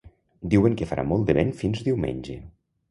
Diuen que farà molt de vent fins diumenge.